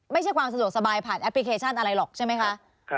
ไม่ใช่ความสะดวกสบายผ่านแอปพลิเคชันอะไรหรอกใช่ไหมคะ